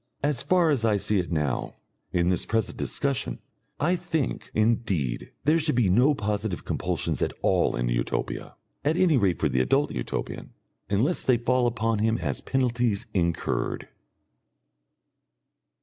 As far as I see it now, in this present discussion, I think, indeed, there should be no positive compulsions at all in Utopia, at any rate for the adult Utopian unless they fall upon him as penalties incurred.